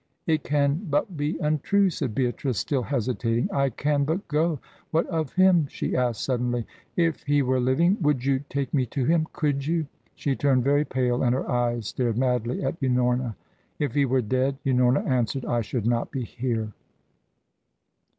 "It can but be untrue," said Beatrice, still hesitating. "I can but go. What of him!" she asked suddenly. "If he were living would you take me to him? Could you?" She turned very pale, and her eyes stared madly at Unorna. "If he were dead," Unorna answered, "I should not be here."